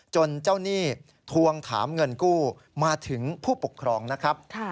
เจ้าหนี้ทวงถามเงินกู้มาถึงผู้ปกครองนะครับ